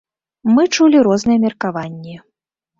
Мы чулі розныя меркаванні.